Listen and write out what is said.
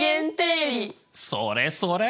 それそれ！